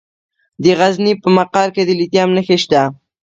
د غزني په مقر کې د لیتیم نښې شته.